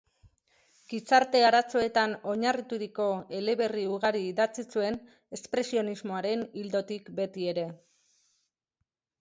Gizarte-arazoetan oinarrituriko eleberri ugari idatzi zuen, espresionismoaren ildotik betiere.